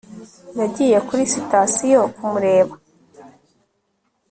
yagiye kuri sitasiyo kumureba